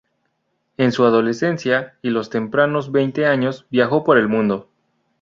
En su adolescencia y los tempranos veinte años viajó por el mundo.